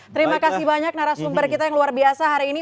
terima kasih banyak narasumber kita yang luar biasa hari ini